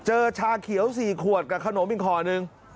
ชาเขียว๔ขวดกับขนมอีกห่อหนึ่ง